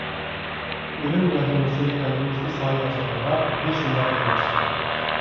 ئۆلۈم ۋەھىمىسى قەلبىمىزگە سايە تاشلىغاندا بىز شۇنداق دەيمىز.